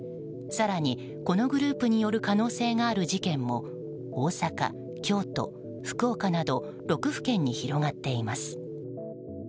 更に、このグループによる可能性がある事件も大阪、京都、福岡など６府県に広がっています。